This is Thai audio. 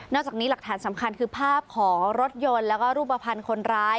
จากนี้หลักฐานสำคัญคือภาพของรถยนต์แล้วก็รูปภัณฑ์คนร้าย